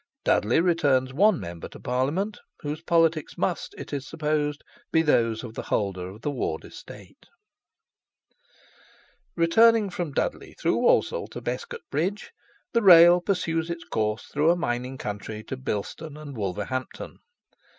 Dudley returns one member to Parliament; whose politics must, it is supposed, be those of the holder of the Ward estate. Returning from Dudley through Walsall to Bescot Bridge, the rail pursues its course through a mining country to Bilston and Wolverhampton.